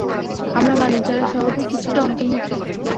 আমরা মানুষ, যারা স্বভাবে কিছুটা অন্তর্মুখী।